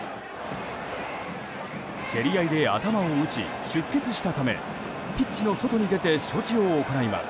競り合いで頭を打ち出血したためピッチの外に出て処置を行います。